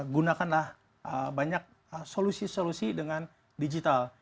gunakanlah banyak solusi solusi dengan digital